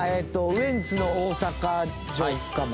ウエンツの大阪城下町。